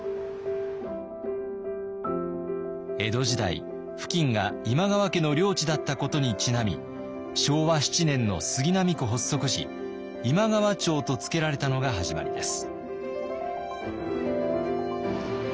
江戸時代付近が今川家の領地だったことにちなみ昭和７年の杉並区発足時今川町と付けられたのが始まりです。